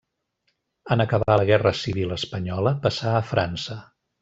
En acabar la Guerra civil espanyola passà a França.